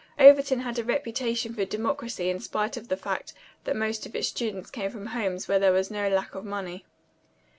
Overton had a reputation for democracy in spite of the fact that most of its students came from homes where there was no lack of money.